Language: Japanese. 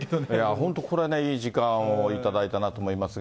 本当これね、いい時間を頂いたなと思いますが。